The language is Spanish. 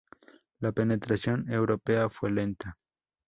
La penetración europea fue lenta.